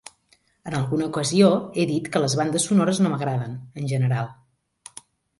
En alguna ocasió he dit que les bandes sonores no m'agraden, en general.